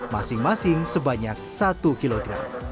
masing masing sebanyak satu kg